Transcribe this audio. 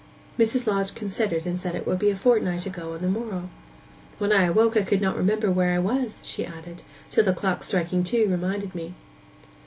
Mrs. Lodge considered, and said it would be a fortnight ago on the morrow. 'When I awoke I could not remember where I was,' she added, 'till the clock striking two reminded me.